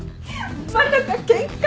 まさかケンカ？